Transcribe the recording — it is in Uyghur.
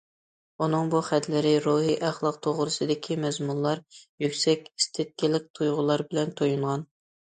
ئۇنىڭ بۇ خەتلىرى روھى ئەخلاق توغرىسىدىكى مەزمۇنلار، يۈكسەك ئېستېتىكىلىق تۇيغۇلار بىلەن تويۇنغان.